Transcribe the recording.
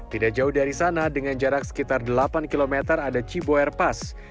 tidak jauh dari sana dengan jarak sekitar delapan km ada ciboyer pass